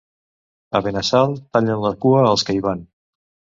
A Benassal tallen la cua als que hi van.